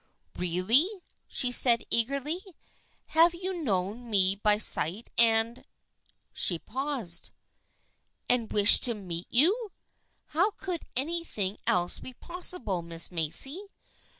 " Really !" she said eagerly. " Have you known me by sight and " She paused. "And wished to meet you? How could any thing else be possible, Miss Macy